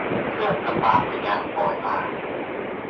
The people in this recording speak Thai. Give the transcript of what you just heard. เพื่อน ลำปาง : ไปงานปอยมา